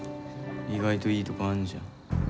意外といいとこあんじゃん。